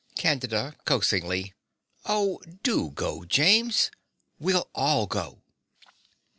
CANDIDA (coaxingly). Oh, DO go, James. We'll all go.